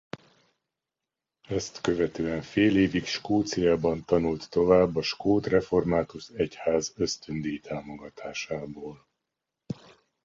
Ezt követően fél évig Skóciában tanult tovább a skót református egyház ösztöndíj-támogatásából.